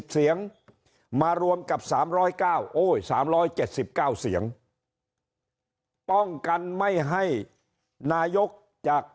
เสียงมารวมกับ๓๐๙โอ้ย๓๗๙เสียงป้องกันไม่ให้นายกจาก